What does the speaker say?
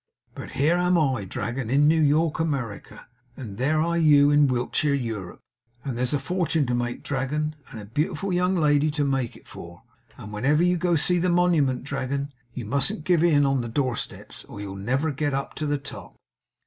But here am I, Dragon, in New York, America; and there are you in Wiltshire, Europe; and there's a fortune to make, Dragon, and a beautiful young lady to make it for; and whenever you go to see the Monument, Dragon, you mustn't give in on the doorsteps, or you'll never get up to the top!